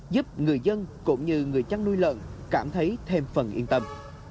giúp người dân cũng như người chăn nuôi lợn cảm thấy thêm phần yên tâm